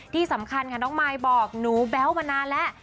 ที่สำคัญค่ะน้องมายบอกหนูแบ๊วมานานแล้ว